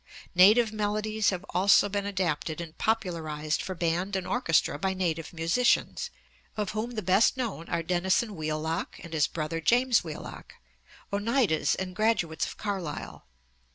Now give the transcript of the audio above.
Native melodies have also been adapted and popularized for band and orchestra by native musicians, of whom the best known are Dennison Wheelock and his brother James Wheelock, Oneidas and graduates of Carlisle.